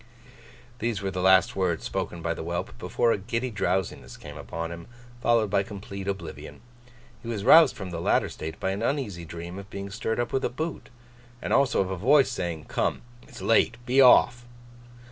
These were the last words spoken by the whelp, before a giddy drowsiness came upon him, followed by complete oblivion. He was roused from the latter state by an uneasy dream of being stirred up with a boot, and also of a voice saying: 'Come, it's late. Be off!